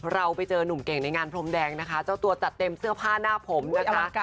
เราไปเจอนุ่มเก่งในงานพรมแดงนะคะเจ้าตัวจัดเต็มเสื้อผ้าหน้าผมนะคะ